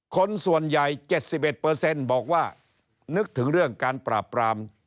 คนส่วนใหญ่๗๑บอกว่านึกถึงเรื่องการปราบปราม